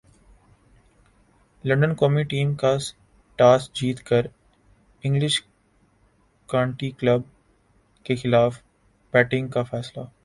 London قومی team کا toss جیت کر انگلش کانٹی کلب کیخلاف بیٹنگ کا فیصلہ